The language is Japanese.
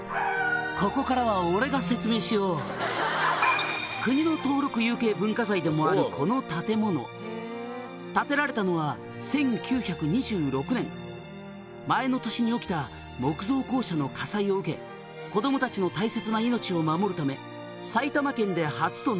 「ここからは俺が説明しよう」「国の登録有形文化財でもあるこの建物」「建てられたのは１９２６年」「前の年に起きた木造校舎の火災を受け子供たちの大切な命を守るため」